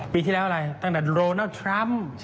ปีที่แล้วอะไรตั้งแต่โดนัลด์ทรัมป์